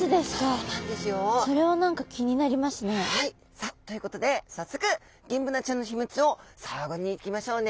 さあということで早速ギンブナちゃんの秘密を探りに行きましょうね。